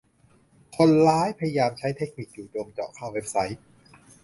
คนร้ายพยายามใช้เทคนิคจู่โจมเจาะเข้าเว็บไซต์